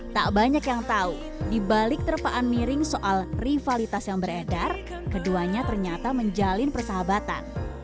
tak banyak yang tahu di balik terpaan miring soal rivalitas yang beredar keduanya ternyata menjalin persahabatan